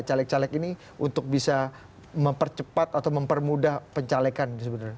balik calek ini untuk bisa mempercepat atau mempermudah pencalekan